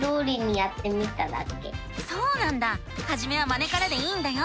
そうなんだはじめはまねからでいいんだよ！